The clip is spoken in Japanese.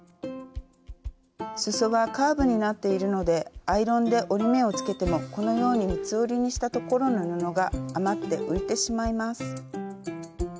すそはカーブになっているのでアイロンで折り目をつけてもこのように三つ折りにしたところの布が余って浮いてしまいます。